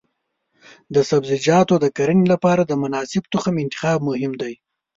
د سبزیجاتو د کرنې لپاره د مناسب تخم انتخاب مهم دی.